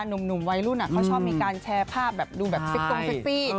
หนุ่มวัยรุ่นเขาชอบมีการแชร์ภาพแบบดูแบบเซ็กตรงเซ็กซี่